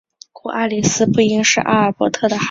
故爱丽丝不应是阿尔伯特的孩子。